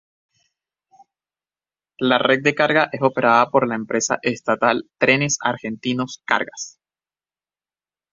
La red de carga es operada por las empresa estatal Trenes Argentinos Cargas.